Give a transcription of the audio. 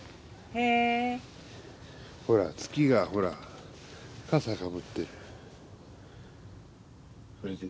ほら月がほらかさかぶってる。